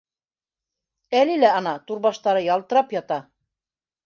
Әле лә, ана, түрбаштары ялтырап ята.